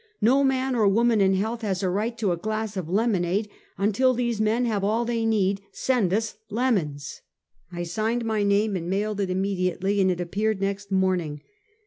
1^0 man or woman in health, has a right to a glass of lemonade until these men have all they need; send us lemons !" I signed my name and mailed it immediately, and it appeared next morning.